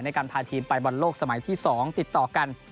ในการพาทีมไปบอลโลกสมัยที่๒ติดต่อกัน